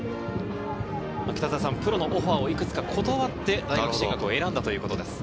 プロのオファーを、いくつか断って大学進学を選んだということです。